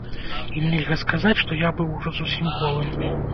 І нельга сказаць, што я быў ужо зусім голым.